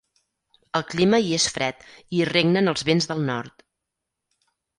El clima hi és fred, i hi regnen els vents del nord.